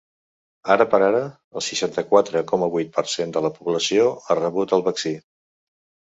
Ara per ara, el seixanta-quatre coma vuit per cent de la població ha rebut el vaccí.